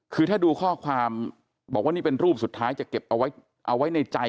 คือถ้าดูข้อความบอกว่านี่เป็นรูปสุดท้ายจะเก็บเอาไว้เอาไว้ในใจ